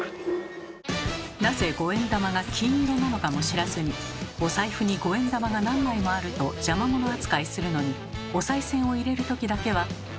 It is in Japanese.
なぜ五円玉が金色なのかも知らずにお財布に五円玉が何枚もあると邪魔者扱いするのにおさいせんを入れる時だけは。